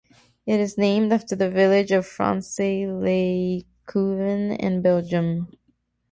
It is named after the village of Frasnes-lez-Couvin in Belgium.